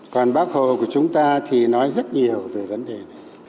còn bác hồ của chúng ta thì nói rất nhiều về vấn đề này